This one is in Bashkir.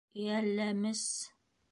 Иәлләмес.